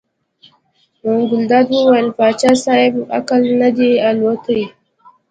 ګلداد وویل پاچا صاحب عقل نه دی الوتی.